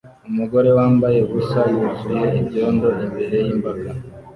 Umugore wambaye ubusa yuzuye ibyondo imbere yimbaga